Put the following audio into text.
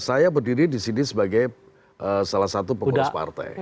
saya berdiri disini sebagai salah satu pengurus partai